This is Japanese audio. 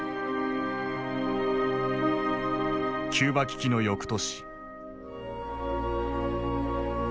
キューバ危機の翌年。